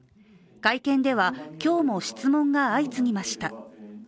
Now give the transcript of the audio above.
会見では、今日も質問が相次ぎました。